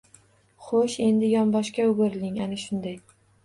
Xo‘sh endi yonboshga o‘giriling, ana shunday